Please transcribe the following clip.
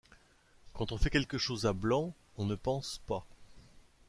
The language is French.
Quand on fait quelque chose à blanc, on ne pense pas.